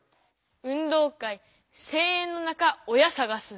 「運動会声援の中親さがす」。